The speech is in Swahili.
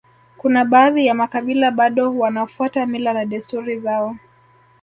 Kuna baadhi ya makabila bado wanafuata mila na desturi zao